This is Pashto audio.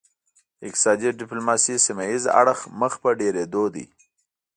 د اقتصادي ډیپلوماسي سیمه ایز اړخ مخ په ډیریدو دی